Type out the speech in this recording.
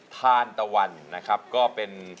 ทานตะวัน